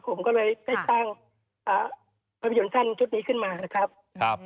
ผมก็เลยทำให้ประวิจนธ์สั้นทุกช่วงนี้ขึ้นมานะครับ